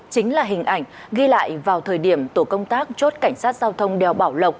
chính là hình ảnh ghi lại vào thời điểm tổ công tác chốt cảnh sát giao thông đèo bảo lộc